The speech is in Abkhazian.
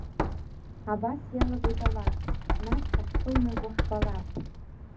Абас иалагоит алакә, нас ҳахькылнаго ҳбалап…